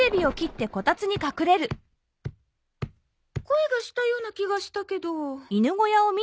声がしたような気がしたけど。